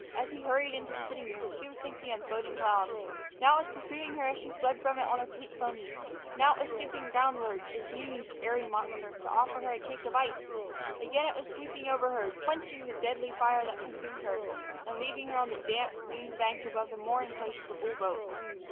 As he hurried into the sitting room, she was thinking of the floating cloud. Now it was pursuing her as she fled from it on a fleet pony; now it was stooping groundward, a huge, airy monster, to offer her a cake of ice; again it was sweeping over her, quenching the deadly fire that consumed her, and leaving her on the damp, green bank above the mooring place of the bull boat.